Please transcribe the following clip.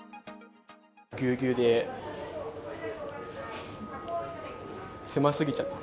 ぎゅーぎゅーで、狭すぎちゃって。